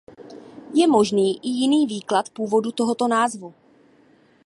Je možný i jiný výklad původu tohoto názvu.